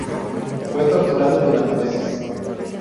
Fue torturado durante meses.